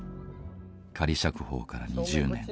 仮釈放から２０年。